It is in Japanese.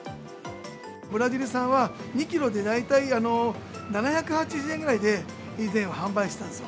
ブラジル産は、２キロで大体、７８０円ぐらいで、以前は販売してたんですよ。